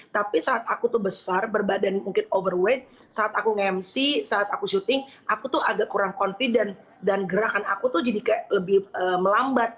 tapi saat aku tuh besar berbadan mungkin overweight saat aku nge mc saat aku syuting aku tuh agak kurang confident dan gerakan aku tuh jadi kayak lebih melambat